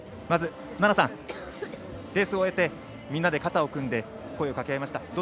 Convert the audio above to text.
まず菜那さん、レースを終えてみんなで肩を組んで声をかけ合いました。